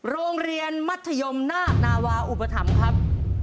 โรงเรียนมัธยมนาคนาวาอุปถัมภ์ครับ